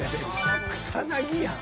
草薙やん